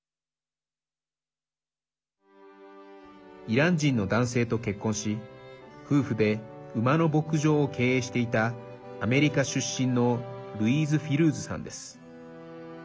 イラン人の男性と結婚し夫婦で馬の牧場を経営していたアメリカ出身のルイーズ・フィルーズさんです。